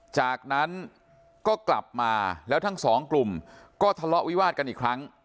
จากนั้นก็กลับมาแล้วทั้งสองกลุ่มก็ทะเลาะวิวาดกันอีกครั้ง